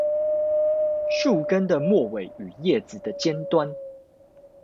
樹根的末尾與葉子的尖端